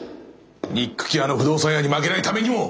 にっくきあの不動産屋に負けないためにも。